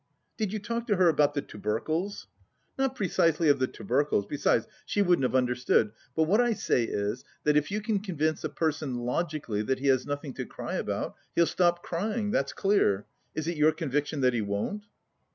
"Did you talk to her about the tubercles?" "Not precisely of the tubercles. Besides, she wouldn't have understood! But what I say is, that if you convince a person logically that he has nothing to cry about, he'll stop crying. That's clear. Is it your conviction that he won't?"